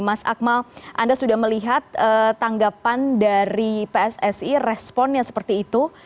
mas akmal anda sudah melihat tanggapan dari pssi responnya seperti itu